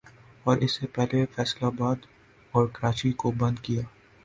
اور اس سے پہلے فیصل آباد اور کراچی کو بند کیا